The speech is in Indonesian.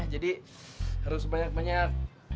jadi harus banyak banyak